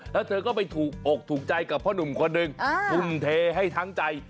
แล้วเธอก็ไปถูกอกถูกใจกับพ่อหนุ่มคนหนึ่งทุ่มเทให้ทั้งใจ